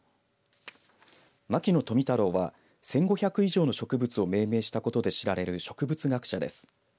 牧野富太郎は１５００以上の植物を命名したことで知られる植物学者です。